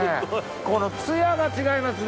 この艶が違いますね。